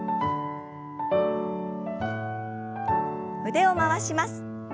腕を回します。